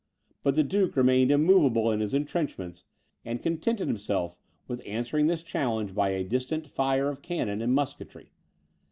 But the duke remained immoveable in his entrenchments, and contented himself with answering this challenge by a distant fire of cannon and musketry.